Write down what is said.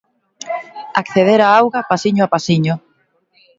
Acceder á auga pasiño a pasiño.